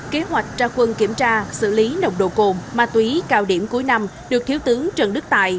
kế hoạch tra quân kiểm tra xử lý nồng độ cồn ma túy cao điểm cuối năm được thiếu tướng trần đức tài